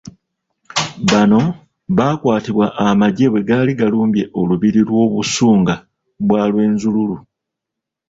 Bano baakwatibwa amagye bwe gaali galumbye olubiri lw'Obusunga bwa Rwenzururu.